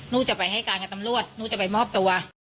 หนูจะไปให้การกับตำรวจหนูจะไปมอบตัว